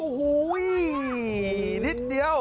โอ้โหนิดเดียว